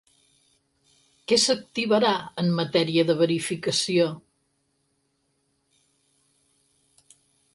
Què s'activarà en matèria de verificació?